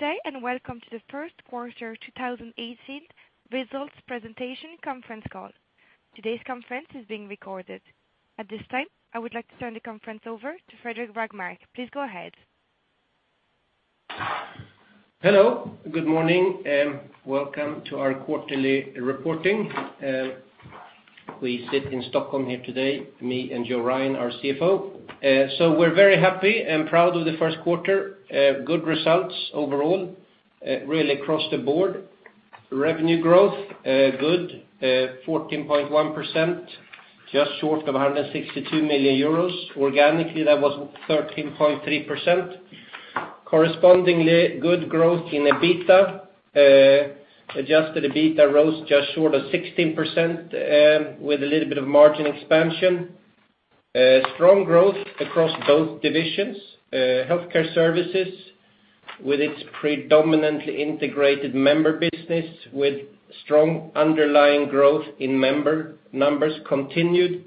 Say, welcome to the first quarter 2018 results presentation conference call. Today's conference is being recorded. At this time, I would like to turn the conference over to Fredrik Rågmark. Please go ahead. Hello. Good morning, welcome to our quarterly reporting. We sit in Stockholm here today, me and Joe Ryan, our CFO. We're very happy and proud of the first quarter. Good results overall, really across the board. Revenue growth, good, 14.1%, just short of 162 million euros. Organically, that was 13.3%. Correspondingly, good growth in EBITDA. Adjusted EBITDA rose just short of 16% with a little bit of margin expansion. Strong growth across both divisions. Healthcare Services with its predominantly integrated member business, with strong underlying growth in member numbers continued,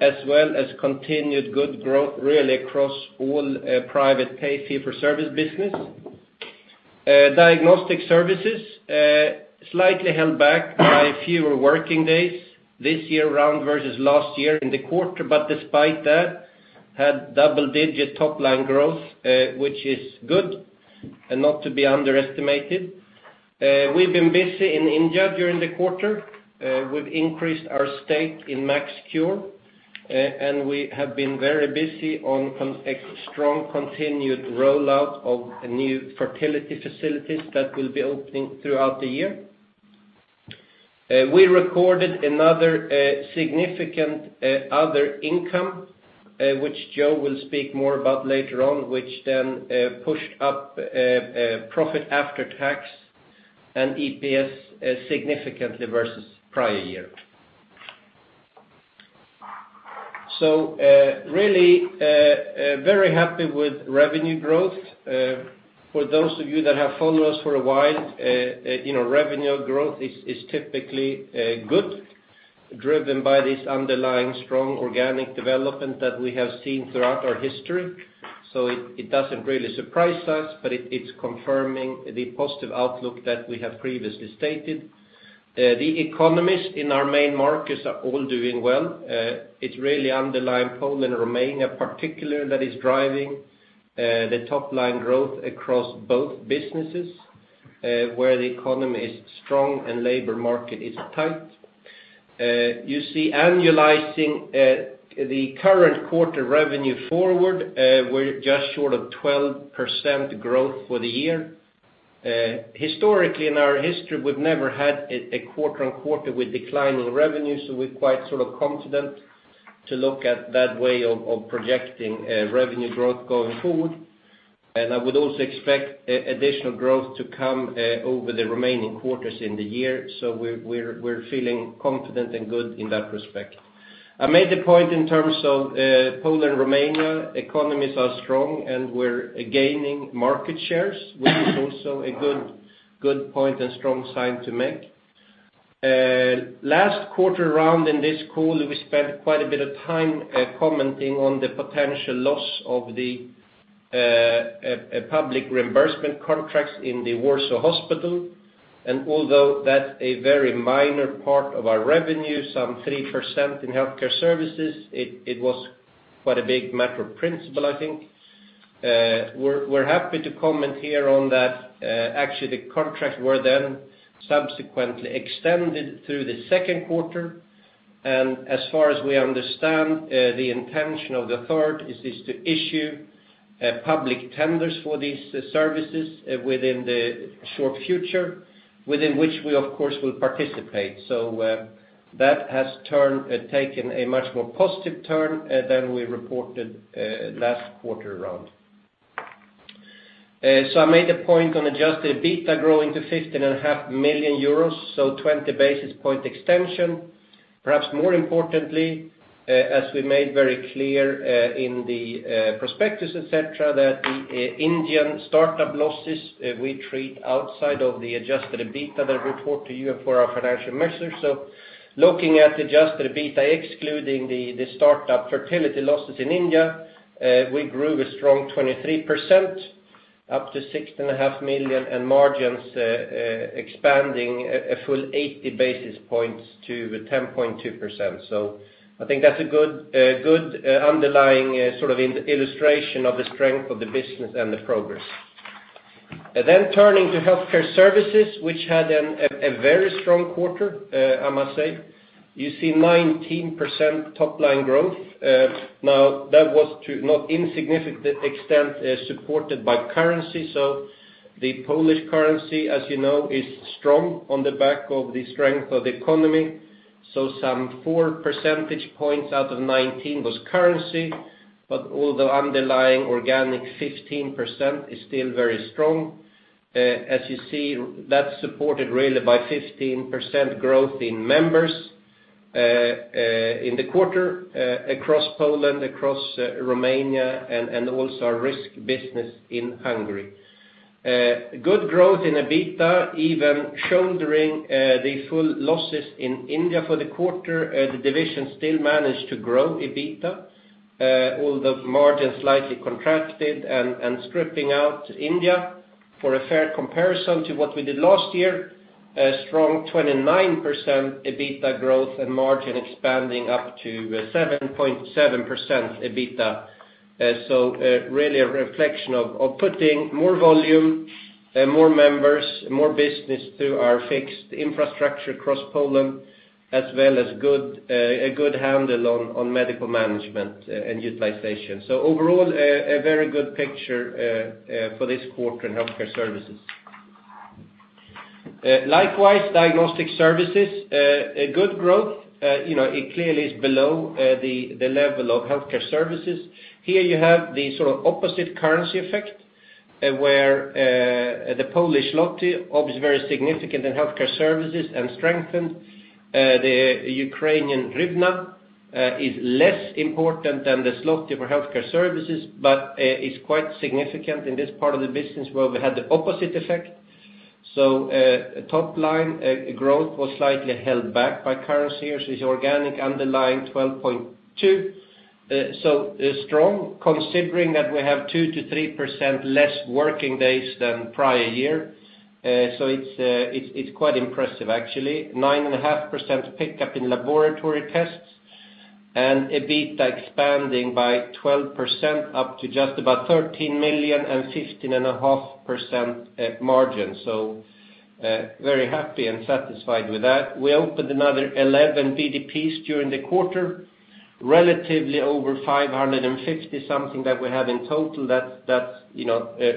as well as continued good growth really across all private fee-for-service business. Diagnostic Services slightly held back by fewer working days this year round versus last year in the quarter, but despite that, had double-digit top-line growth, which is good and not to be underestimated. We've been busy in India during the quarter. We've increased our stake in MaxCure, and we have been very busy on a strong continued rollout of new fertility facilities that will be opening throughout the year. We recorded another significant other income, which Joe will speak more about later on, which then pushed up profit after tax and EPS significantly versus prior year. Really very happy with revenue growth. For those of you that have followed us for a while, revenue growth is typically good, driven by this underlying strong organic development that we have seen throughout our history. It doesn't really surprise us, but it's confirming the positive outlook that we have previously stated. The economies in our main markets are all doing well. It's really underlying Poland and Romania particularly that is driving the top-line growth across both businesses, where the economy is strong and labor market is tight. You see annualizing the current quarter revenue forward, we're just short of 12% growth for the year. Historically, in our history, we've never had a quarter on quarter with declining revenue, we're quite confident to look at that way of projecting revenue growth going forward. I would also expect additional growth to come over the remaining quarters in the year. We're feeling confident and good in that respect. I made a point in terms of Poland, Romania, economies are strong, we're gaining market shares, which is also a good point and strong sign to make. Last quarter round in this call, we spent quite a bit of time commenting on the potential loss of the public reimbursement contracts in the Warsaw hospital. Although that's a very minor part of our revenue, some 3% in Healthcare Services, it was quite a big matter of principle, I think. We're happy to comment here on that. The contracts were then subsequently extended through the second quarter. As far as we understand, the intention of the NFZ is to issue public tenders for these services within the short future, within which we, of course, will participate. That has taken a much more positive turn than we reported last quarter round. I made a point on adjusted EBITDA growing to 15.5 million euros, 20 basis point extension. Perhaps more importantly, as we made very clear in the prospectus, et cetera, that the Indian startup losses we treat outside of the adjusted EBITDA that report to you for our financial measures. Looking at adjusted EBITDA excluding the startup fertility losses in India, we grew a strong 23%, up to 6.5 million, and margins expanding a full 80 basis points to 10.2%. I think that's a good underlying illustration of the strength of the business and the progress. Turning to Healthcare Services, which had a very strong quarter, I must say. You see 19% top-line growth. That was to not insignificant extent, supported by currency. The Polish currency, as you know, is strong on the back of the strength of the economy. So some 4 percentage points out of 19 was currency. Although underlying organic 15% is still very strong, as you see, that's supported really by 15% growth in members in the quarter across Poland, across Romania, and also our risk business in Hungary. Good growth in EBITDA, even shouldering the full losses in India for the quarter, the division still managed to grow EBITDA, although margins slightly contracted and stripping out India for a fair comparison to what we did last year. A strong 29% EBITDA growth and margin expanding up to 7.7% EBITDA. Really a reflection of putting more volume, more members, more business through our fixed infrastructure across Poland, as well as a good handle on medical management and utilization. Overall, a very good picture for this quarter in Healthcare Services. Likewise, Diagnostic Services, a good growth. It clearly is below the level of Healthcare Services. Here you have the opposite currency effect, where the Polish zloty is very significant in Healthcare Services and strengthened. The Ukrainian hryvnia is less important than the zloty for Healthcare Services, but is quite significant in this part of the business where we had the opposite effect. Top line growth was slightly held back by currency as is organic underlying 12.2%. Strong considering that we have 2% to 3% less working days than prior year. It's quite impressive actually. 9.5% pickup in laboratory tests and EBITDA expanding by 12% up to just about 13 million and 15.5% margin. Very happy and satisfied with that. We opened another 11 BDPs during the quarter, relatively over 550, something that we have in total that's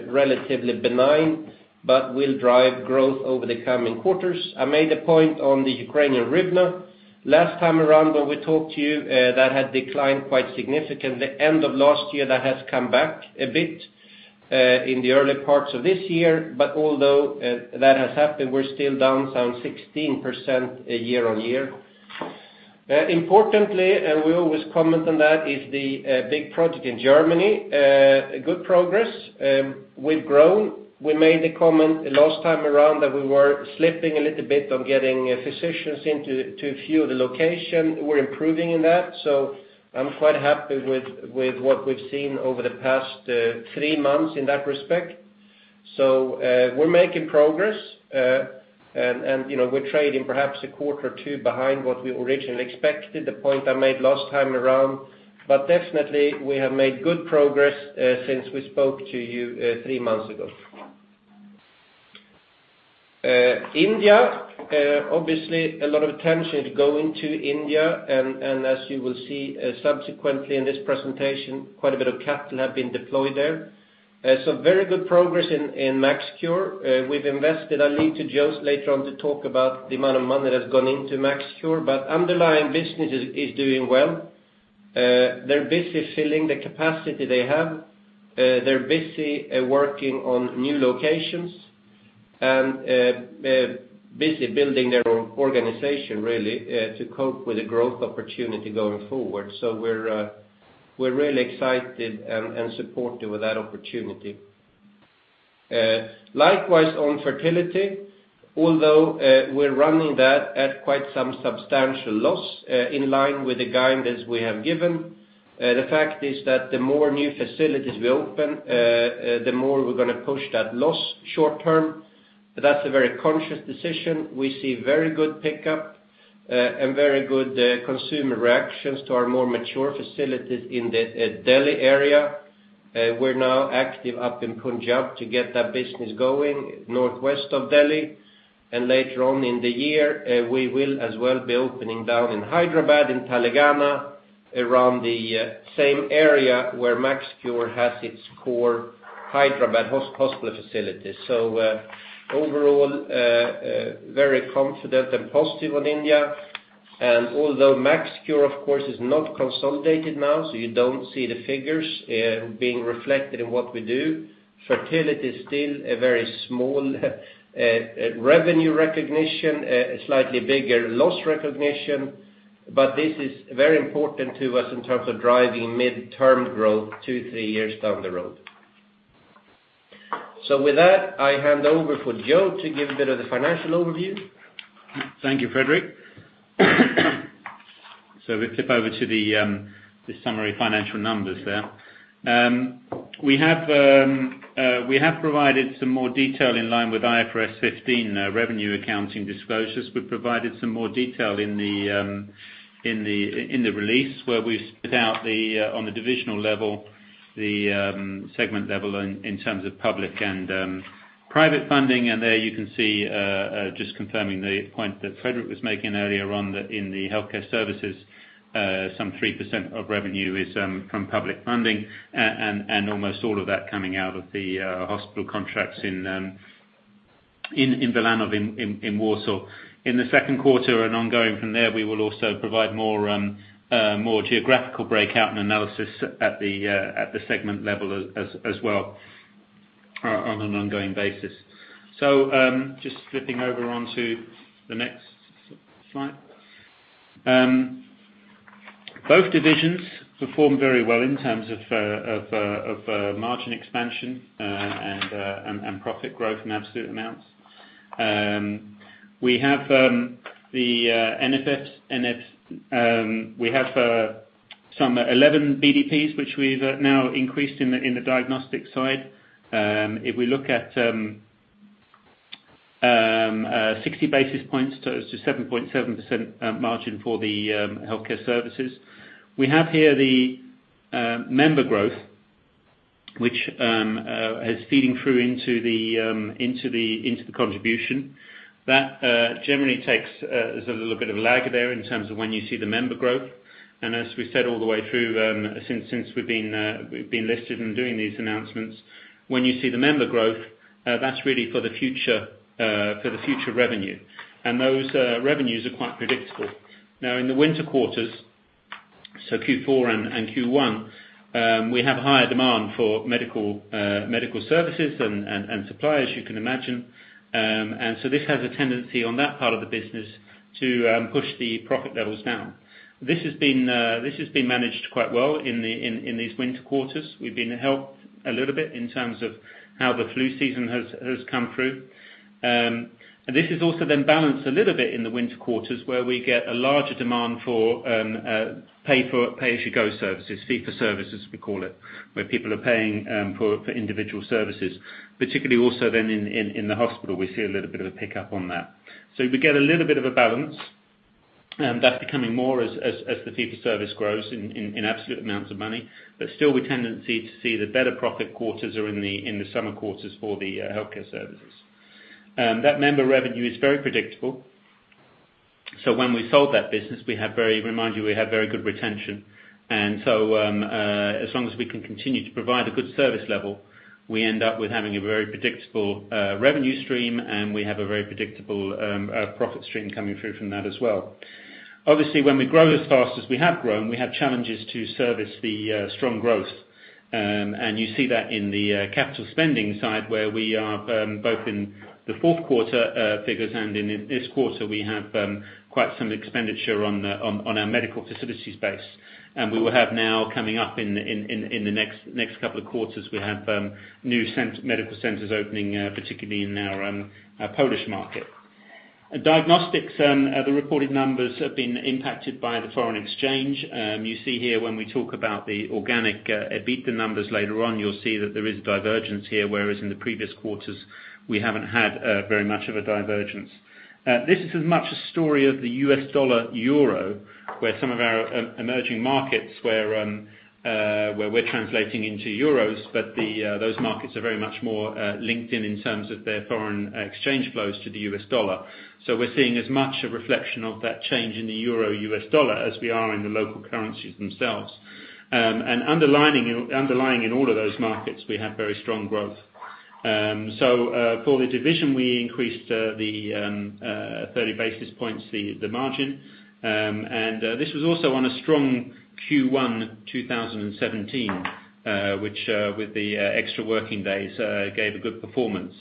relatively benign but will drive growth over the coming quarters. I made a point on the Ukrainian hryvnia. Last time around when we talked to you, that had declined quite significantly. End of last year, that has come back a bit in the early parts of this year. Although that has happened, we're still down some 16% year-on-year. Importantly, and we always comment on that, is the big project in Germany. Good progress. We've grown. We made the comment last time around that we were slipping a little bit on getting physicians into too few of the location. We're improving in that. I'm quite happy with what we've seen over the past 3 months in that respect. We're making progress, and we're trading perhaps a quarter or 2 behind what we originally expected, the point I made last time around. Definitely we have made good progress since we spoke to you 3 months ago. India, obviously a lot of attention is going to India and as you will see subsequently in this presentation, quite a bit of capital have been deployed there. Very good progress in MaxCure. We've invested, I'll leave to Joe's later on to talk about the amount of money that has gone into MaxCure. Underlying business is doing well. They're busy filling the capacity they have. They're busy working on new locations and busy building their own organization really, to cope with the growth opportunity going forward. We're really excited and supportive of that opportunity. Likewise, on fertility, although we're running that at quite some substantial loss, in line with the guidance we have given, the fact is that the more new facilities we open, the more we're going to push that loss short term. That's a very conscious decision. We see very good pickup and very good consumer reactions to our more mature facilities in the Delhi area. We're now active up in Punjab to get that business going northwest of Delhi, and later on in the year, we will as well be opening down in Hyderabad in Telangana, around the same area where MaxCure has its core Hyderabad hospital facilities. Overall, very confident and positive on India. Although MaxCure, of course, is not consolidated now, so you don't see the figures being reflected in what we do. Fertility is still a very small revenue recognition, a slightly bigger loss recognition. But this is very important to us in terms of driving midterm growth 2, 3 years down the road. With that, I hand over for Joe to give a bit of the financial overview. Thank you, Fredrik. We flip over to the summary financial numbers there. We have provided some more detail in line with IFRS 15 revenue accounting disclosures. We've provided some more detail in the release where we've split out on the divisional level, the segment level in terms of public and private funding. There you can see just confirming the point that Fredrik was making earlier on that in the Healthcare Services some 3% of revenue is from public funding and almost all of that coming out of the hospital contracts in Wilanów in Warsaw. In the 2nd quarter and ongoing from there, we will also provide more geographical breakout and analysis at the segment level as well on an ongoing basis. Just flipping over onto the next slide. Both divisions performed very well in terms of margin expansion and profit growth in absolute amounts. We have Some 11 BDPs which we've now increased in the diagnostic side. If we look at 60 basis points to 7.7% margin for the Healthcare Services. We have here the member growth, which is feeding through into the contribution. That generally takes, there's a little bit of lag there in terms of when you see the member growth. As we said all the way through, since we've been listed and doing these announcements, when you see the member growth, that's really for the future revenue. Those revenues are quite predictable. Now, in the winter quarters, so Q4 and Q1, we have higher demand for medical services and suppliers, you can imagine. This has a tendency on that part of the business to push the profit levels down. This has been managed quite well in these winter quarters. We've been helped a little bit in terms of how the flu season has come through. This is also then balanced a little bit in the winter quarters where we get a larger demand for pay-as-you-go services, fee-for-service, as we call it, where people are paying for individual services. Particularly also then in the hospital, we see a little bit of a pickup on that. We get a little bit of a balance, and that's becoming more as the fee-for-service grows in absolute amounts of money. Still, we tendency to see the better profit quarters are in the summer quarters for the Healthcare Services. That member revenue is very predictable. When we sold that business, remind you, we have very good retention. As long as we can continue to provide a good service level, we end up with having a very predictable revenue stream, and we have a very predictable profit stream coming through from that as well. When we grow as fast as we have grown, we have challenges to service the strong growth. You see that in the capital spending side where we are both in the fourth quarter figures and in this quarter, we have quite some expenditure on our medical facilities base. We will have now coming up in the next couple of quarters, we have new medical centers opening, particularly in our Polish market. Diagnostic Services, the reported numbers have been impacted by the foreign exchange. You see here when we talk about the organic EBITDA numbers later on you'll see that there is a divergence here, whereas in the previous quarters we haven't had very much of a divergence. This is as much a story of the US dollar/euro, where some of our emerging markets where we're translating into euros, but those markets are very much more linked in in terms of their foreign exchange flows to the US dollar. We're seeing as much a reflection of that change in the euro/US dollar as we are in the local currencies themselves. Underlying in all of those markets, we have very strong growth. For the division, we increased the 30 basis points the margin. This was also on a strong Q1 2017, which with the extra working days, gave a good performance.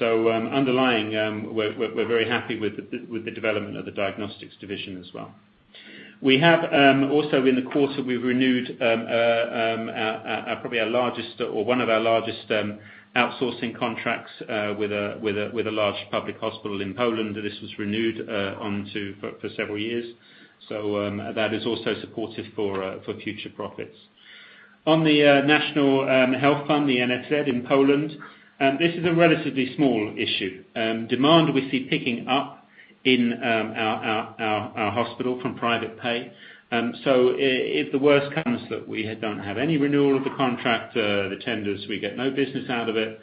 Underlying, we're very happy with the development of the Diagnostics division as well. Also in the quarter, we renewed probably our largest or one of our largest outsourcing contracts with a large public hospital in Poland. This was renewed for several years. That is also supportive for future profits. On the National Health Fund, the NFZ in Poland, this is a relatively small issue. Demand we see picking up in our hospital from private pay. If the worst comes that we don't have any renewal of the contract, the tenders, we get no business out of it.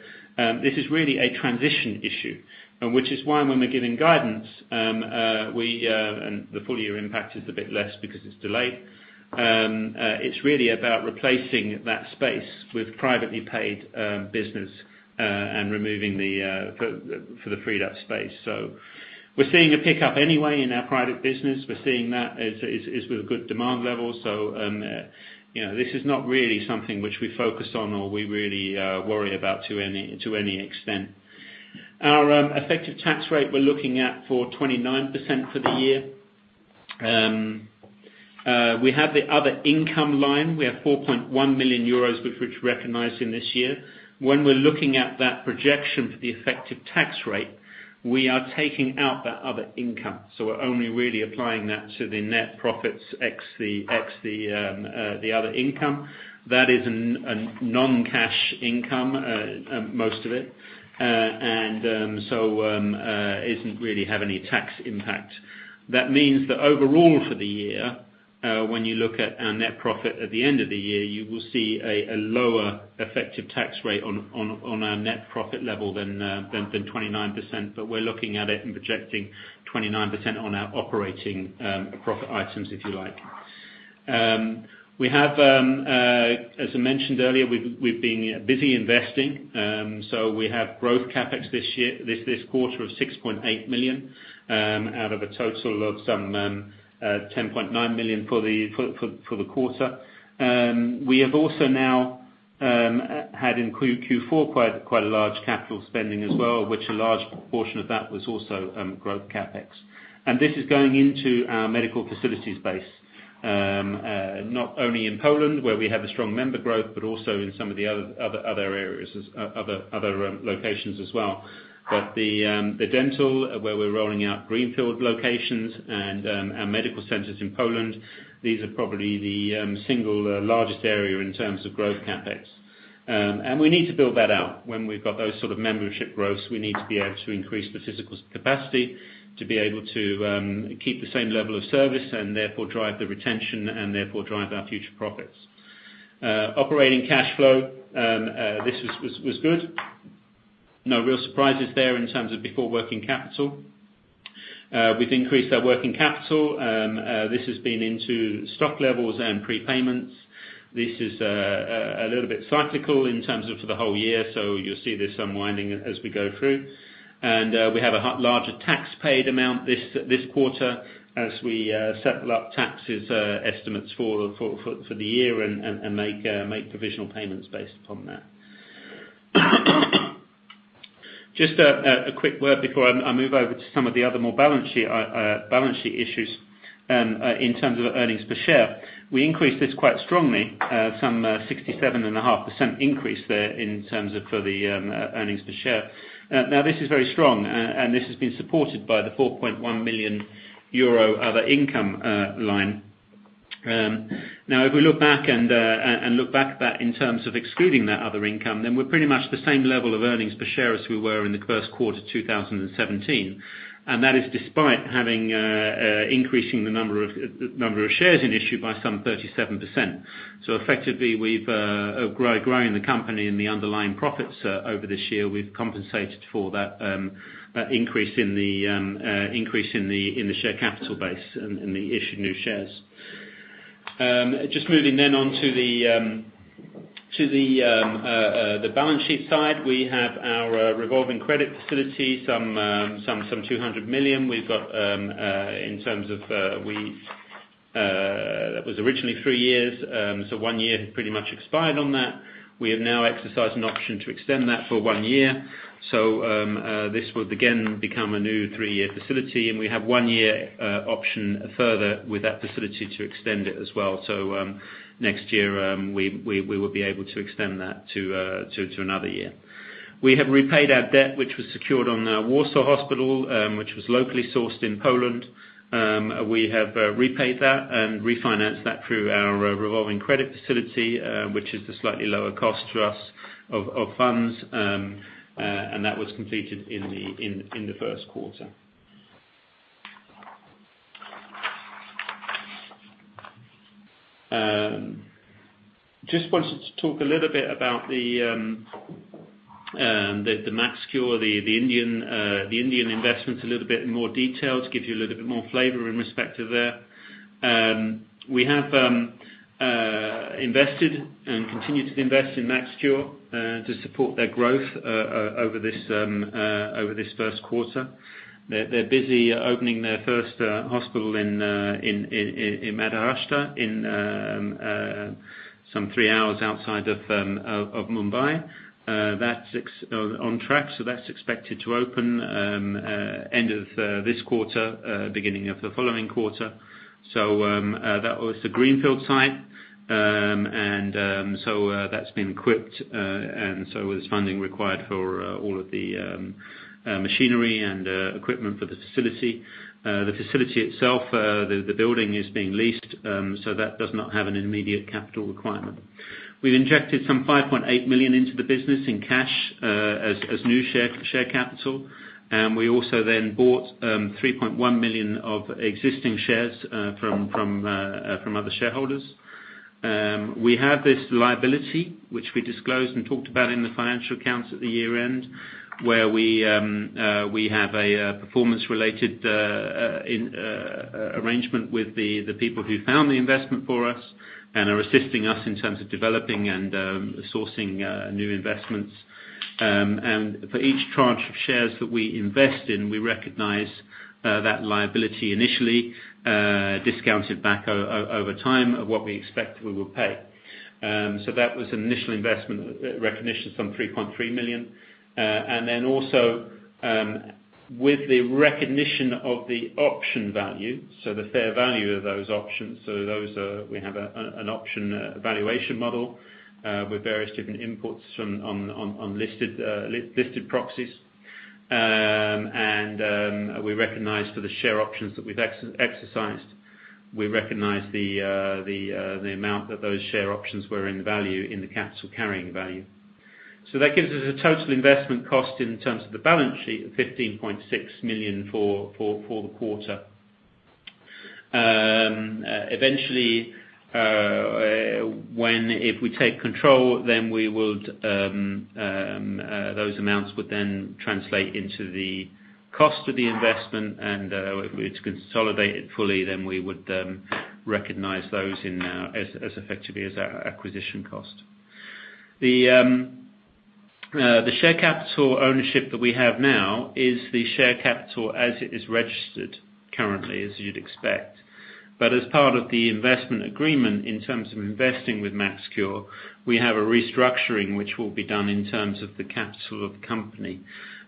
This is really a transition issue. Which is why when we're giving guidance, the full year impact is a bit less because it's delayed. It's really about replacing that space with privately paid business, and removing for the freed up space. We're seeing a pickup anyway in our private business. We're seeing that is with good demand levels. This is not really something which we focus on or we really worry about to any extent. Our effective tax rate we're looking at for 29% for the year. We have the other income line. We have 4.1 million euros of which recognizing this year. When we're looking at that projection for the effective tax rate, we are taking out that other income. We're only really applying that to the net profits ex the other income. That is a non-cash income, most of it. Isn't really have any tax impact. That means that overall for the year, when you look at our net profit at the end of the year, you will see a lower effective tax rate on our net profit level than 29%, but we're looking at it and projecting 29% on our operating profit items, if you like. As I mentioned earlier, we've been busy investing. We have growth CapEx this quarter of 6.8 million out of a total of some 10.9 million for the quarter. We have also now had in Q4 quite a large capital spending as well, which a large portion of that was also growth CapEx. This is going into our medical facilities base. Not only in Poland, where we have a strong member growth, but also in some of the other locations as well. The dental, where we're rolling out greenfield locations and our medical centers in Poland, these are probably the single largest area in terms of growth CapEx. We need to build that out. When we've got those sort of membership growths, we need to be able to increase the physical capacity to be able to keep the same level of service, and therefore drive the retention, and therefore drive our future profits. Operating cash flow. This was good. No real surprises there in terms of before working capital. We've increased our working capital. This has been into stock levels and prepayments. This is a little bit cyclical in terms of the whole year, you'll see this unwinding as we go through. We have a larger tax paid amount this quarter as we settle up taxes estimates for the year and make provisional payments based upon that. Just a quick word before I move over to some of the other more balance sheet issues. In terms of earnings per share, we increased this quite strongly. Some 67.5% increase there in terms of the earnings per share. This is very strong, and this has been supported by the 4.1 million euro other income line. If we look back at that in terms of excluding that other income, then we're pretty much the same level of earnings per share as we were in the first quarter 2017. That is despite increasing the number of shares in issue by some 37%. Effectively, we've grown the company and the underlying profits over this year. We've compensated for that increase in the share capital base in the issued new shares. Just moving then on to the balance sheet side. We have our revolving credit facility, some EUR 200 million. That was originally three years. One year has pretty much expired on that. We have now exercised an option to extend that for one year. This will again become a new three-year facility, and we have one year option further with that facility to extend it as well. Next year, we will be able to extend that to another year. We have repaid our debt, which was secured on our Warsaw hospital, which was locally sourced in Poland. We have repaid that and refinanced that through our revolving credit facility, which is the slightly lower cost to us of funds. That was completed in the first quarter. Just wanted to talk a little bit about the MaxCure, the Indian investment, a little bit in more detail to give you a little bit more flavor in respect to there. We have invested and continue to invest in MaxCure to support their growth over this first quarter. They're busy opening their first hospital in Maharashtra, some three hours outside of Mumbai. That's on track. That's expected to open end of this quarter, beginning of the following quarter. That was the greenfield site. That's been equipped. Funding required for all of the machinery and equipment for the facility. The facility itself, the building is being leased. That does not have an immediate capital requirement. We've injected some 5.8 million into the business in cash as new share capital. We also then bought 3.1 million of existing shares from other shareholders. We have this liability, which we disclosed and talked about in the financial accounts at the year-end, where we have a performance-related arrangement with the people who found the investment for us and are assisting us in terms of developing and sourcing new investments. For each tranche of shares that we invest in, we recognize that liability initially, discounted back over time of what we expect we will pay. That was an initial investment recognition, some 3.3 million. Then also with the recognition of the option value, the fair value of those options. Those, we have an option valuation model with various different inputs on listed proxies. We recognize for the share options that we've exercised, we recognize the amount that those share options were in value in the capital carrying value. That gives us a total investment cost in terms of the balance sheet of 15.6 million for the quarter. Eventually, if we take control, those amounts would then translate into the cost of the investment. If we're to consolidate it fully, then we would recognize those as effectively as our acquisition cost. The share capital ownership that we have now is the share capital as it is registered currently, as you'd expect. But as part of the investment agreement in terms of investing with MaxCure, we have a restructuring which will be done in terms of the capital of company.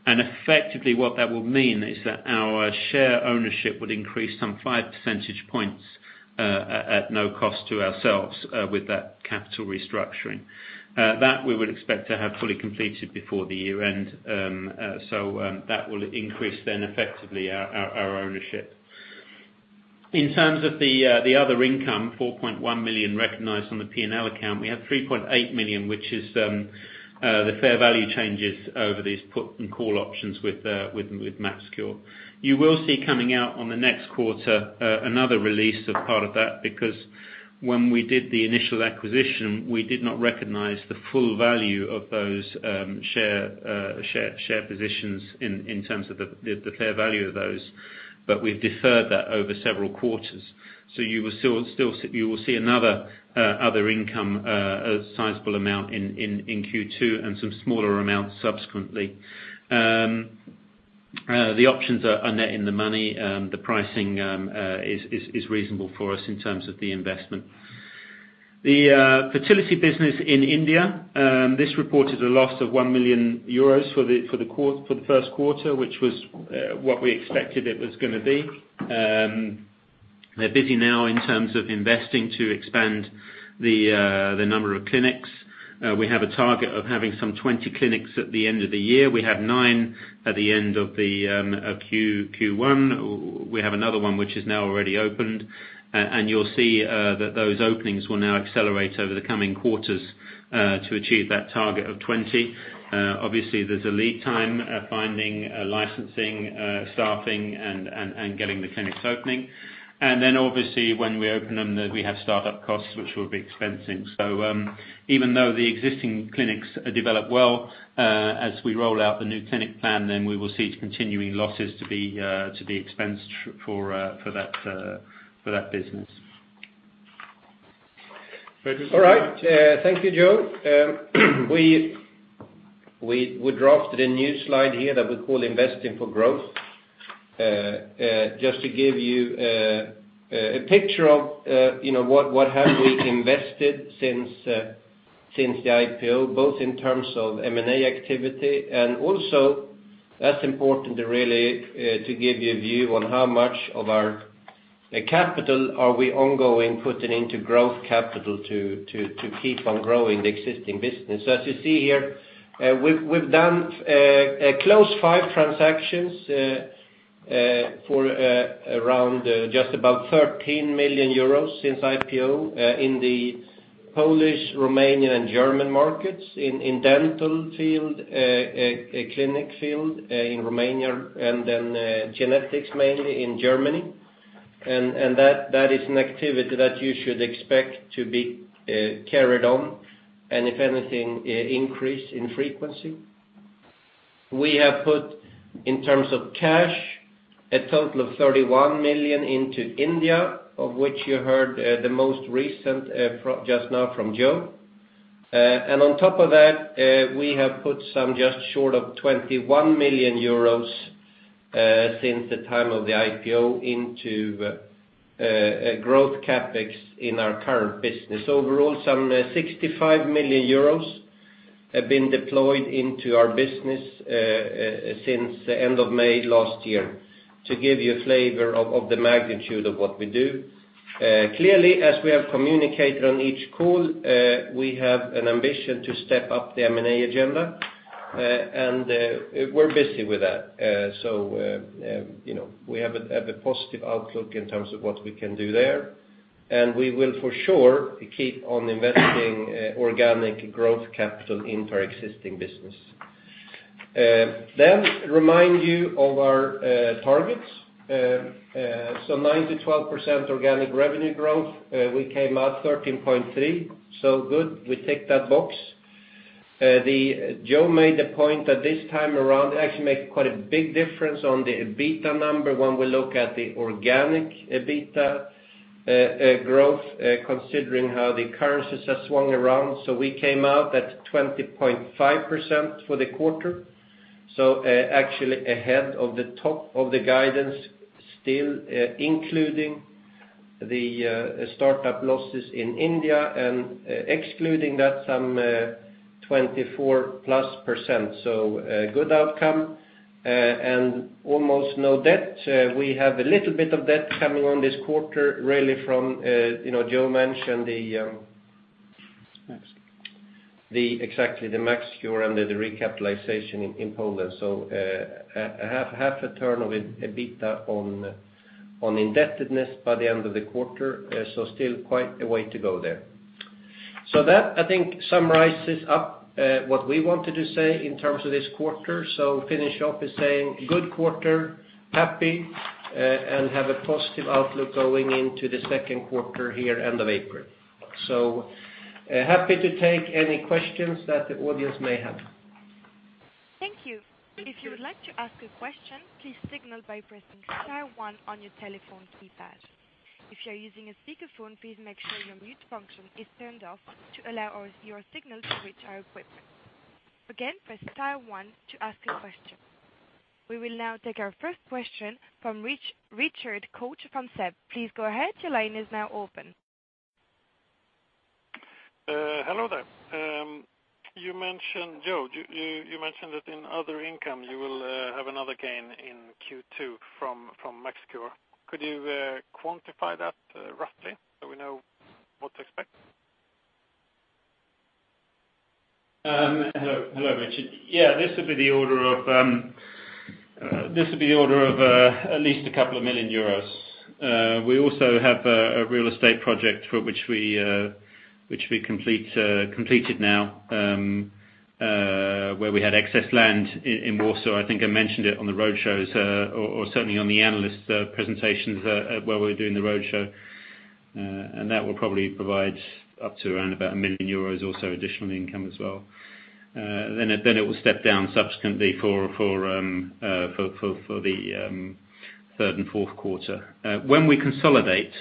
Effectively, what that will mean is that our share ownership would increase some five percentage points at no cost to ourselves with that capital restructuring. That we would expect to have fully completed before the year-end. That will increase then effectively our ownership. In terms of the other income, 4.1 million recognized on the P&L account, we have 3.8 million, which is the fair value changes over these put and call options with MaxCure. You will see coming out on the next quarter, another release of part of that, because when we did the initial acquisition, we did not recognize the full value of those share positions in terms of the fair value of those. We've deferred that over several quarters. You will see another other income, a sizable amount in Q2 and some smaller amounts subsequently. The options are net in the money, the pricing is reasonable for us in terms of the investment. The fertility business in India, this reported a loss of 1 million euros for the first quarter, which was what we expected it was going to be. They're busy now in terms of investing to expand the number of clinics. We have a target of having some 20 clinics at the end of the year. We have nine at the end of Q1. We have another one, which is now already opened. You'll see that those openings will now accelerate over the coming quarters to achieve that target of 20. There's a lead time finding, licensing, staffing and getting the clinics opening. When we open them, we have startup costs, which will be expensing. Even though the existing clinics develop well as we roll out the new clinic plan, then we will see continuing losses to be expensed for that business. All right. Thank you, Joe. We drafted a new slide here that we call investing for growth. Just to give you a picture of what have we invested since the IPO, both in terms of M&A activity and also that's important to really, to give you a view on how much of our capital are we ongoing putting into growth capital to keep on growing the existing business. As you see here, we've done close five transactions for around just about 13 million euros since IPO in the Polish, Romanian, and German markets in dental field, clinic field in Romania, and then genetics mainly in Germany. That is an activity that you should expect to be carried on and if anything, increase in frequency. We have put in terms of cash, a total of 31 million into India, of which you heard the most recent just now from Joe. On top of that we have put some just short of 21 million euros since the time of the IPO into growth CapEx in our current business. Overall, some 65 million euros have been deployed into our business since the end of May last year, to give you a flavor of the magnitude of what we do. As we have communicated on each call we have an ambition to step up the M&A agenda, and we're busy with that. We have a positive outlook in terms of what we can do there, and we will for sure keep on investing organic growth capital into our existing business. Remind you of our targets. 9%-12% organic revenue growth. We came out 13.3%, so good, we tick that box. Joe made the point that this time around it actually makes quite a big difference on the EBITDA number when we look at the organic EBITDA growth considering how the currencies have swung around. We came out at 20.5% for the quarter. Actually ahead of the top of the guidance still including the startup losses in India and excluding that some 24+%. A good outcome and almost no debt. We have a little bit of debt coming on this quarter, really from MaxCure, Exactly, the MaxCure under the recapitalization in Poland. Half a turn of EBITDA on indebtedness by the end of the quarter, so still quite a way to go there. That I think summarizes up what we wanted to say in terms of this quarter. Finish off with saying good quarter, happy, and have a positive outlook going into the second quarter here end of April. Happy to take any questions that the audience may have. Thank you. If you would like to ask a question, please signal by pressing star one on your telephone keypad. If you're using a speakerphone, please make sure your mute function is turned off to allow your signal to reach our equipment. Again, press star one to ask a question. We will now take our first question from Richard Koch from SEB. Please go ahead. Your line is now open. Hello there. Joe, you mentioned that in other income, you will have another gain in Q2 from MaxCure. Could you quantify that roughly so we know what to expect? Hello, Richard. This will be the order of at least a couple of million EUR. We also have a real estate project which we completed now, where we had excess land in Warsaw. I think I mentioned it on the roadshows, or certainly on the analyst presentations where we were doing the roadshow. That will probably provide up to around about 1 million euros or so additional income as well. It will step down subsequently for the third and fourth quarter. When we consolidate,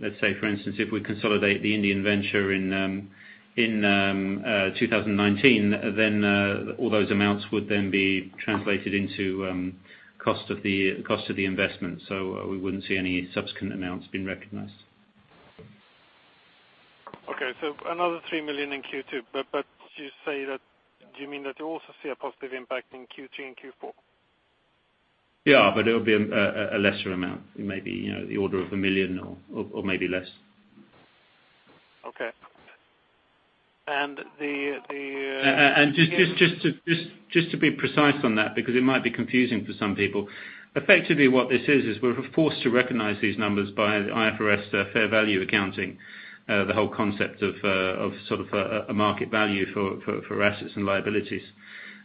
let's say for instance, if we consolidate the Indian venture in 2019, all those amounts would then be translated into cost of the investment. We wouldn't see any subsequent amounts being recognized. Okay. Another 3 million EUR in Q2. You say that, do you mean that you also see a positive impact in Q3 and Q4? Yeah, it'll be a lesser amount. Maybe the order of 1 million EUR or maybe less. Okay. Just to be precise on that because it might be confusing for some people. Effectively what this is we're forced to recognize these numbers by IFRS fair value accounting, the whole concept of sort of a market value for assets and liabilities.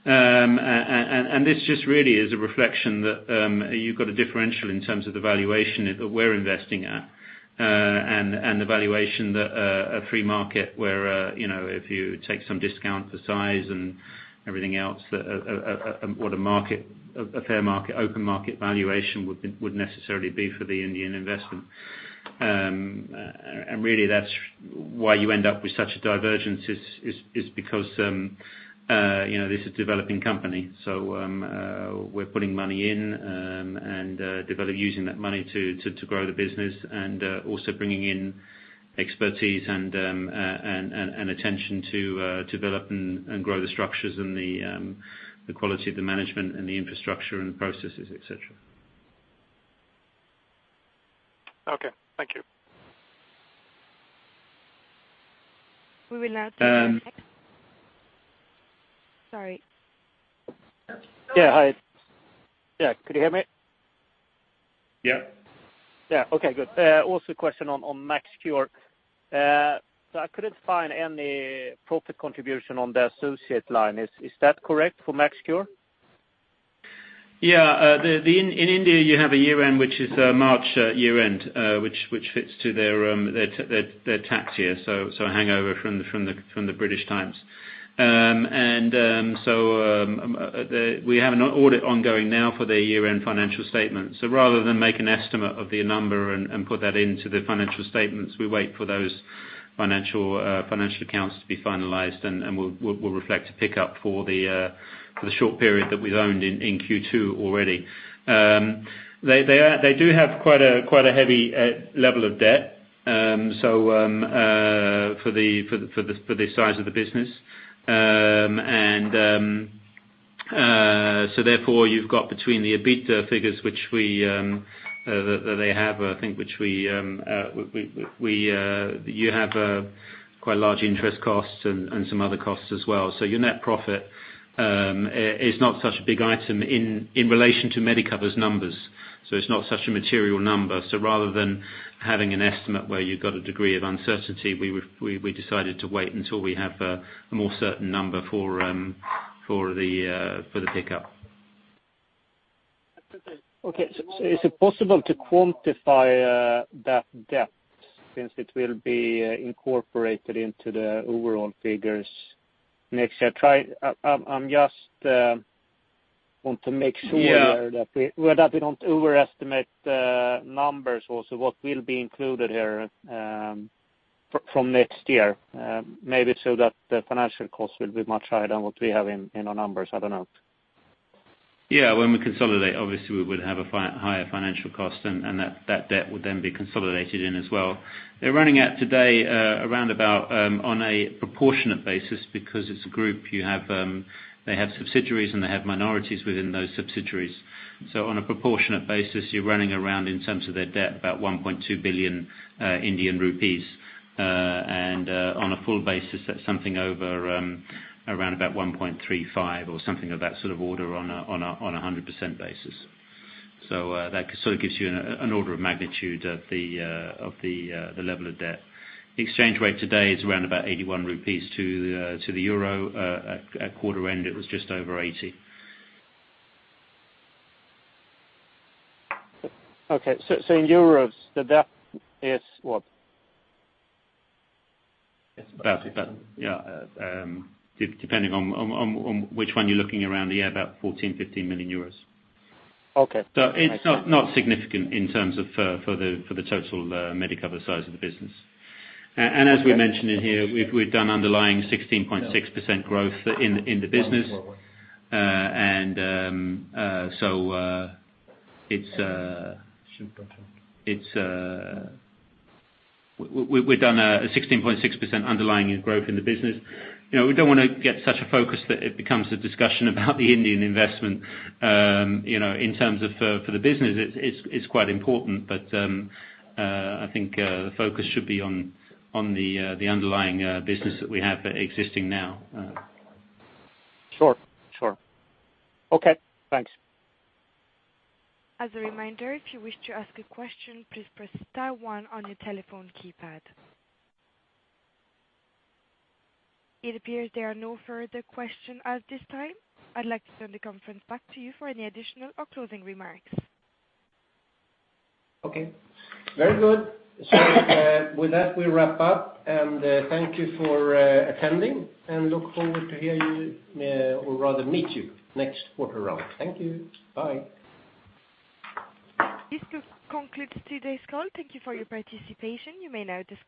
This just really is a reflection that you've got a differential in terms of the valuation that we're investing at, and the valuation that a free market where if you take some discount for size and everything else, what a fair market, open market valuation would necessarily be for the Indian investment. Really that's why you end up with such a divergence is because this is developing company. We're putting money in and using that money to grow the business and also bringing in expertise and attention to develop and grow the structures and the quality of the management and the infrastructure and processes, et cetera. Okay. Thank you. We will now take the next. Sorry. Yeah, hi. Could you hear me? Yeah. Yeah. Okay, good. Also question on MaxCure. I couldn't find any profit contribution on the associate line. Is that correct for MaxCure? Yeah. In India you have a year end, which is March year end, which fits to their tax year. A hangover from the British times. We have an audit ongoing now for their year end financial statements. Rather than make an estimate of the number and put that into the financial statements, we wait for those financial accounts to be finalized, and we'll reflect a pickup for the short period that we've owned in Q2 already. They do have quite a heavy level of debt for the size of the business. You've got between the EBITDA figures which they have, I think, which you have quite large interest costs and some other costs as well. Your net profit is not such a big item in relation to Medicover's numbers. It's not such a material number. Rather than having an estimate where you've got a degree of uncertainty, we decided to wait until we have a more certain number for the pickup. Okay. Is it possible to quantify that debt since it will be incorporated into the overall figures next year? I just want to make sure. Yeah That we don't overestimate the numbers also what will be included here from next year. Maybe so that the financial cost will be much higher than what we have in our numbers. I don't know. Yeah. When we consolidate, we would have a higher financial cost and that debt would then be consolidated in as well. They're running at today around about, on a proportionate basis, because it's a group they have subsidiaries and they have minorities within those subsidiaries. On a proportionate basis, you're running around in terms of their debt about 1.2 billion Indian rupees. On a full basis that's something over around about 1.35 or something of that sort of order on a 100% basis. That sort of gives you an order of magnitude of the level of debt. The exchange rate today is around about 81 rupees to the EUR. At quarter end it was just over 80. Okay. In euros, the debt is what? Depending on which one you're looking around, yeah, about 14 million-15 million euros. Okay. It's not significant in terms of for the total Medicover size of the business. As we mentioned in here, we've done underlying 16.6% growth in the business. We've done a 16.6% underlying growth in the business. We don't want to get such a focus that it becomes a discussion about the Indian investment. In terms of the business, it's quite important, but I think the focus should be on the underlying business that we have existing now. Sure. Okay. Thanks. As a reminder, if you wish to ask a question, please press star one on your telephone keypad. It appears there are no further question at this time. I'd like to turn the conference back to you for any additional or closing remarks. Okay. Very good. With that, we wrap up. Thank you for attending and look forward to hear you or rather meet you next quarter round. Thank you. Bye. This concludes today's call. Thank you for your participation. You may now disconnect.